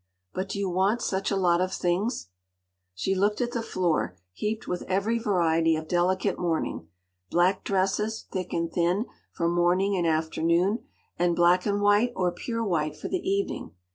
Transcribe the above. But do you want such a lot of things?” She looked at the floor heaped with every variety of delicate mourning, black dresses, thick and thin, for morning and afternoon; and black and white, or pure white, for the evening.